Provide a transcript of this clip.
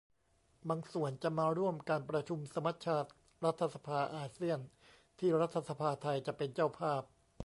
บางส่วนจะมาร่วมการประชุมสมัชชารัฐสภาอาเซียน ที่รัฐสภาไทยจะเป็นเจ้าภาพ